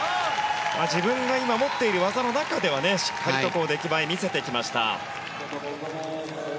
自分が今、持っている技の中ではしっかりと出来栄えを見せてきました。